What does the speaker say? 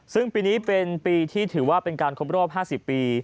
ซึ่งปีนี้เป็นปีที่ถือว่าเป็นการครบรอบ๕๐ปี